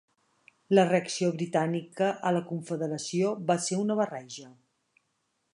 La reacció britànica a la Confederació va ser una barreja.